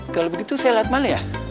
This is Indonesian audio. kalau begitu saya lihat mana ya